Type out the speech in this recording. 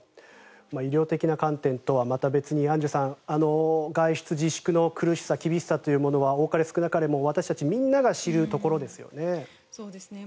医療的な観点とはまた別にアンジュさん、外出自粛の苦しさ厳しさというものは多かれ少なかれ私たちみんなが知るところですよね。